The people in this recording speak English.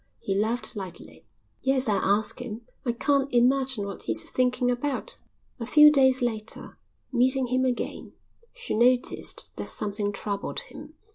He laughed lightly. "Yes. I'll ask him. I can't imagine what he's thinking about." A few days later, meeting him again, she noticed that something troubled him.